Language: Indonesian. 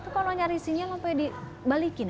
kalau nyari sinyal apa ya dibalikin